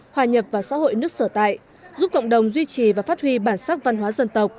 hòa nhập và xã hội nước sở tại giúp cộng đồng duy trì và phát huy bản sắc văn hóa dân tộc